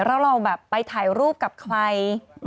แล้วเราแบบไปถ่ายรูปกับใคร